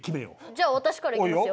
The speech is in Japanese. じゃあ私からいきますよ。